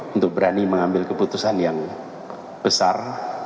untuk berani mengambil keputusan yang besar